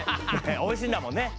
おいしいんだもんねっ。